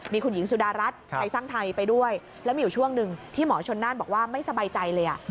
มีคุณหญิงสุดารัฐไทยสร้างไทยไปด้วยแล้วมีอยู่ช่วงหนึ่งที่หมอชนน่านบอกว่าไม่สบายใจเลย